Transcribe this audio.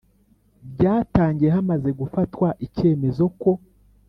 Ryatangiye hamaze gufatwa icyemezo ko